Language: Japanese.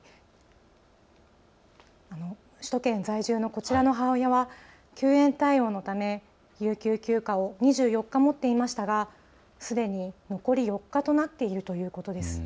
首都圏在住のこちらの母親は休園対応のため有給休暇を２４日持っていましたがすでに残り４日となっているということです。